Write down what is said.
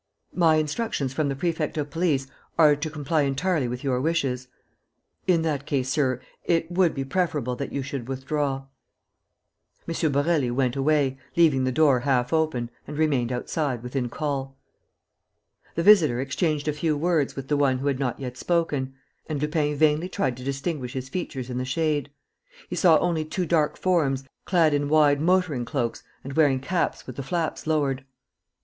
"My instructions from the prefect of police are to comply entirely with your wishes." "In that case, sir, it would be preferable that you should withdraw." M. Borély went away, leaving the door half open, and remained outside, within call. The visitor exchanged a few words with the one who had not yet spoken; and Lupin vainly tried to distinguish his features in the shade. He saw only two dark forms, clad in wide motoring cloaks and wearing caps with the flaps lowered.